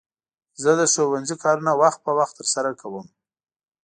زه د ښوونځي کارونه وخت په وخت ترسره کوم.